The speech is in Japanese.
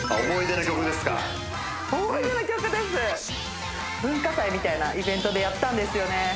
思い出の曲です文化祭みたいなイベントでやったんですよね